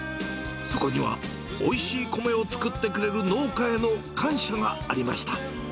そこには、おいしい米を作ってくれる農家への感謝がありました。